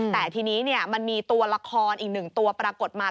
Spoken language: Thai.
แต่ทีนี้มันมีตัวละครอีกหนึ่งตัวปรากฏมา